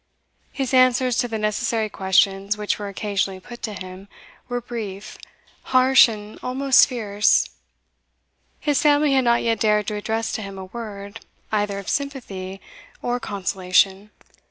His answers to the necessary questions which were occasionally put to him, were brief, harsh, and almost fierce. His family had not yet dared to address to him a word, either of sympathy or consolation.